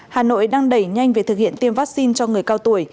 hà nội đang đẩy nhanh việc thực hiện tiêm vaccine cho người cao tuổi